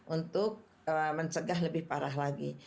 untuk mencegah lebih parah lagi